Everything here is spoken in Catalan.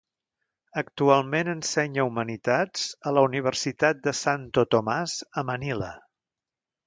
Actualment ensenya humanitats a la Universitat de Santo Tomas a Manila.